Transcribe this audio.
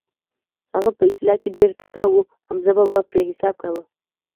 هغه په اصلاح کې ډېر تکړه و، حمزه بابا پرې حساب کاوه.